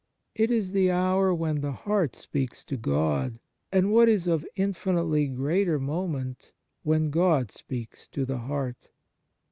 It is the hour ... when the heart speaks to God, and what is of infinitely greater moment, when God speaks to the heart."